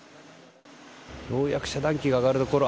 ようやく遮断機が上がるところ